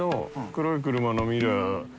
黒い車のミラー。